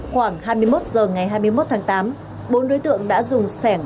khoảng hai mươi một h ngày hai mươi một tháng tám bốn đối tượng đã dùng sẻng